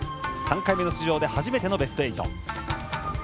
３回目の出場で初めてのベスト８。